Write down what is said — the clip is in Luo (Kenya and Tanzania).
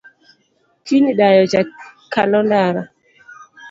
Kony dayo cha kalo ndara